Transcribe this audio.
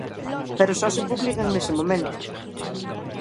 Pero só se publican nese momento.